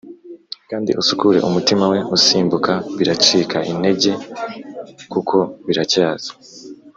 kandi usukure umutima we usimbuka, biracika intege, kuko biracyaza